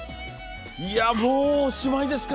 もうおしまいですか。